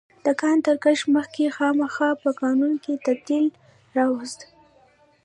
د کان تر کشف مخکې خاما په قانون کې تعدیل راوست.